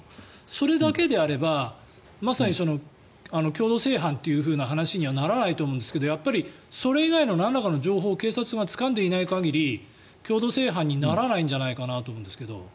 それだけであればまさに共同正犯という話にはならないと思うんですけどやっぱりそれ以外のなんらかの情報を警察がつかんでいない限り共同正犯にならないんじゃないかなと思うんですが。